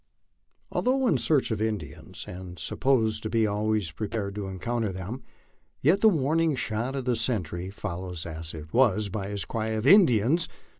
A I/THOUGH in search of Indians and supposed to be always piepared to . LA encounter them, yet the warning shot of the sentry, followed as it was by his cry of "Indians!"